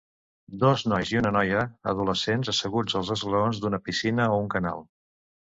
Dos nois i una noia adolescents asseguts als esglaons d'una piscina o un canal.